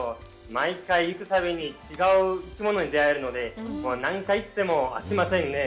毎回行くたびに違う生き物に会えるので何回行っても飽きませんね。